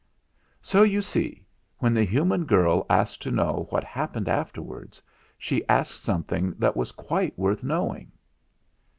So, you see, when the human girl asked to know what happened afterwards, she asked something that was quite worth knowing."